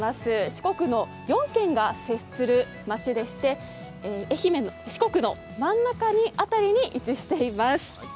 四国の４県が接する街でして、四国の真ん中辺りに位置しています。